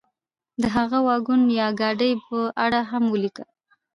د هغه واګون یا ګاډۍ په اړه هم ولیکه.